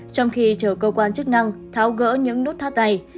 trong khi chờ cơ quan chức năng tháo gỡ những nút tha tay